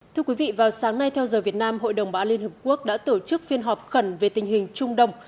thưa quý vị vào sáng nay theo giờ việt nam hội đồng bảo an liên hợp quốc đã tổ chức phiên họp khẩn về tình hình trung đông